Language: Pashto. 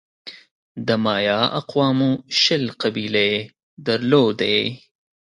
د مایا اقوامو شل قبیلې درلودې.